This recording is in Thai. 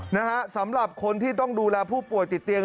นะฮะสำหรับคนที่ต้องดูแลผู้ป่วยติดเตียง